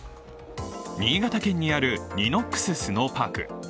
新潟県にあるニノックススノーパーク。